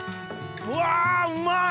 うわうまい！